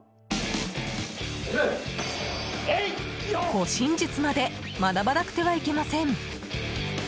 護身術まで学ばなくてはいけません。